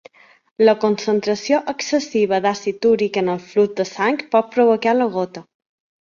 La concentració excessiva d'àcid úric en el flux de sang pot provocar la gota.